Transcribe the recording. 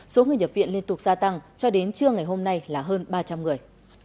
số người nhập viện liên tục gia tăng cho đến trưa ngày hôm nay là hơn ba trăm linh người